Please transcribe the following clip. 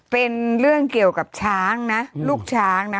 เป็นเรื่องเกี่ยวกับช้างนะลูกช้างนะ